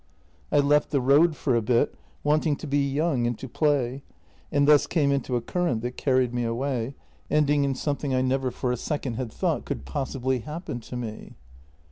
I left the road for a bit, wanting to be young and to play, and thus came into a current that carried me away, ending in something I JENNY 265 never for a second had thought could possibly happen to me.